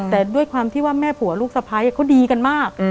แต่ด้วยความที่ว่าแม่ผัวลูกสะพ้ายเขาดีกันมาก